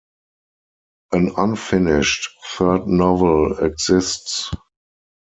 An unfinished third novel exists.